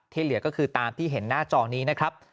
เหลือก็คือตามที่เห็นหน้าจอนี้นะครับ